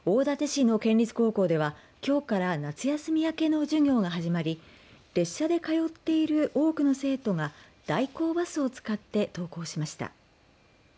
市の県立高校ではきょうから夏休み明けの授業が始まり列車で通っている多くの生徒が代行バスを使って登校しました。